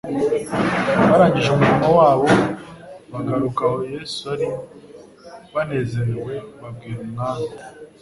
Barangije umurimo wabo bagaruka aho Yesu ari banezerewe babwira Umwami